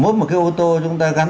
mỗi một cái ô tô chúng ta gắn